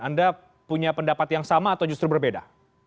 anda punya pendapat yang sama atau justru berbeda